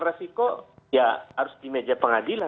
resiko ya harus di meja pengadilan